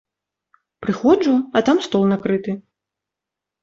Прыходжу, а там стол накрыты.